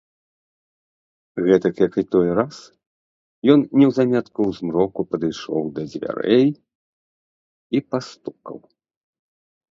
Гэтак, як і той раз, ён неўзаметку ў змроку падышоў да дзвярэй і пастукаў.